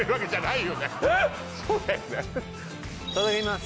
いただきます